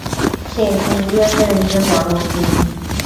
সে New ইয়র্কের একজন বড় উকিল!